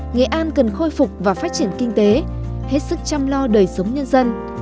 nghệ an cần khôi phục và phát triển kinh tế hết sức chăm lo đời sống nhân dân